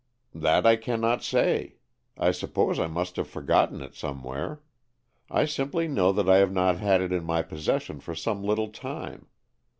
"That I cannot say. I suppose I must have forgotten it somewhere. I simply know that I have not had it in my possession for some little time.